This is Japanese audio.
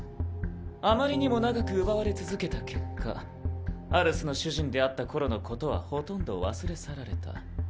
あまりにも長く奪われ続けた結果アルスの主人であった頃のことはほとんど忘れ去られた。